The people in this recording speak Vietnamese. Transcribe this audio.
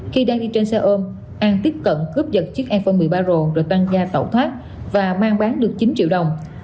khi đang đi trên xe ôm an tiếp cận cướp giật chiếc iphone một mươi ba r rồi tăng ga tẩu thoát và mang bán được chín triệu đồng